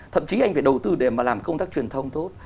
thậm chí anh phải đầu tư để mà làm công tác truyền thông tốt